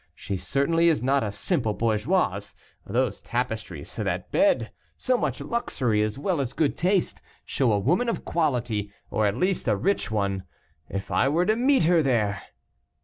She certainly is not a simple bourgeoise those tapestries, that bed, so much luxury as well as good taste, show a woman of quality, or, at least, a rich one. If I were to meet her there!"